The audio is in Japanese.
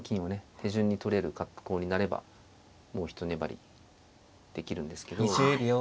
手順に取れる格好になればもうひと粘りできるんですけど。